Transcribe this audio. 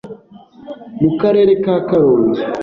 Mu Karere ka Karongi